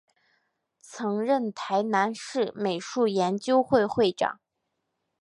曾任台南市美术研究会会长。